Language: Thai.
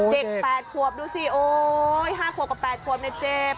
เด็ก๘ขวบดูสิโอ๊ย๕ขวบกับ๘ขวบเจ็บ